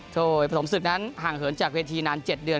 โดยผลมศึกนั้นห่างเหินจากเวทีนาน๗เดือน